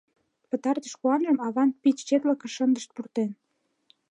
Пытартыш куанжым аван Пич четлыкыш шындышт пуртен.